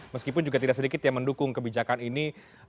meskipun juga tidak sedikit yang mendukung kebijakan ini